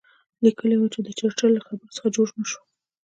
لیکلي یې وو چې که د چرچل له خبرو څه جوړ نه شو.